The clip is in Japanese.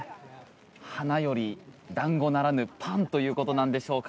花より団子ならぬパンということなんでしょうか。